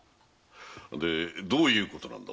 でどういうことなんだ？